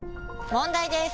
問題です！